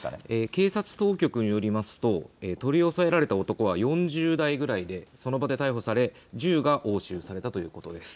警察当局によりますと取り押さえられた男は４０代くらいでその場で逮捕され銃が押収されたということです。